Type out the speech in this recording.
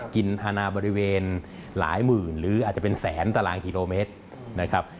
ฮานาบริเวณหลายหมื่นหรืออาจจะเป็นแสนตารางกิโลเมตรนะครับ